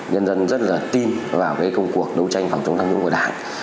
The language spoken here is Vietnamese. nhân dân rất là tin vào công cuộc đấu tranh phòng chống tham nhũng của đảng